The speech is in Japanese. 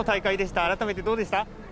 改めてどうでしたか。